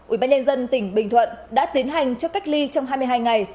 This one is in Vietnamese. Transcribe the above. ủy ban nhân dân tỉnh bình thuận đã tiến hành cho cách ly trong hai mươi hai ngày